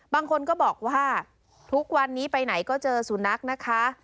บางคนก็บอกว่าทุกวันนี้ไปไหนก็เจอสุนัขนะคะ